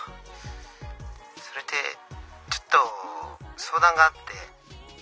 それでちょっと相談があって。